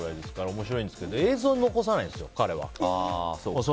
面白いんですけど彼は映像を残さないんですよ。